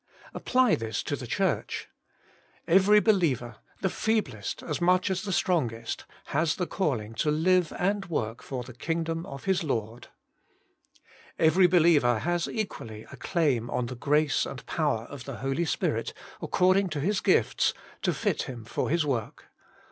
Apply this to the Church. Every be liever, the feeblest as much as the strongest, has the calling to live and work for the kingdom of his Lord. Every believer has equally a claim on the grace and power of the Holy Spirit, according to his gifts, to 28 Working for God fit him for his work.